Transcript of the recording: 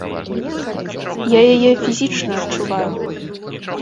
Я яе фізічна адчуваю.